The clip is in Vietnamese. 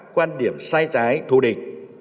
quan điểm sai trái thù địch